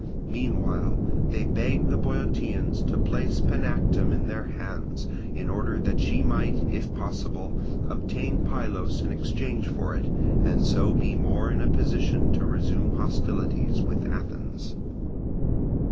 Meanwhile they begged the Boeotians to place Panactum in her hands in order that she might, if possible, obtain Pylos in exchange for it, and so be more in a position to resume hostilities with Athens.